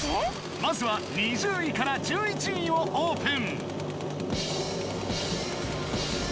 まずは２０位から１１位をオープン